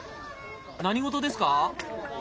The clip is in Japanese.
何事ですか？